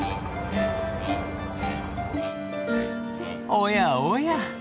おやおや。